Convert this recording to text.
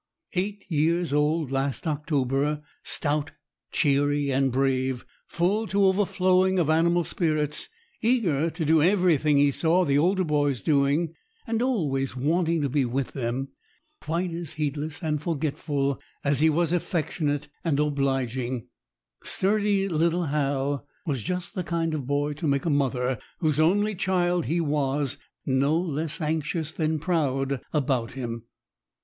Eight years old last October; stout, cheery, and brave; full to overflowing of animal spirits; eager to do everything he saw the older boys doing, and always wanting to be with them; quite as heedless and forgetful as he was affectionate and obliging, sturdy little Hal was just the kind of boy to make a mother whose only child he was no less anxious than proud about him.